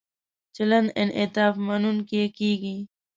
چلند انعطاف مننونکی کیږي.